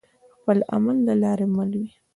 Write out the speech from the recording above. خپل عمل د لاري مل وي